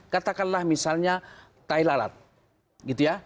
katakanlah misalnya thailand